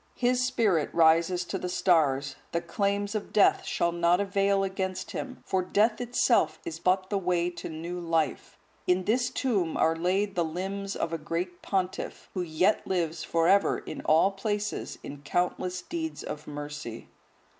His spirit rises to the stars; the claims of death shall not avail against him, for death itself is but the way to new life. In this tomb are laid the limbs of a great pontiff, who yet lives for ever in all places in countless deeds of mercy.